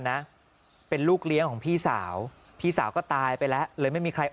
นะเป็นลูกเลี้ยงของพี่สาวพี่สาวก็ตายไปแล้วเลยไม่มีใคร